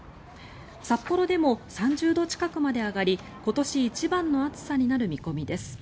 札幌でも３０度近くまで上がり今年一番の暑さになる見込みです。